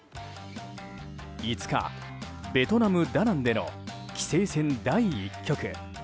５日、ベトナム・ダナンでの棋聖戦第１局。